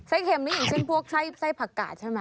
เค็มนี่อย่างเช่นพวกไส้ผักกาดใช่ไหม